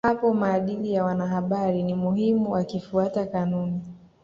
Hapo maadili ya wanahabari ni muhimu wakifuata kanuni